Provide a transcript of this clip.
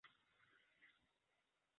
泰乌瓦是巴西圣保罗州的一个市镇。